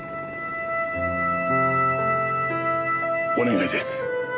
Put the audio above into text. お願いです。